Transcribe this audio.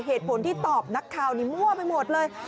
เหตุผลที่ตอบนักข่าวนี้มั่วไปหมดเลย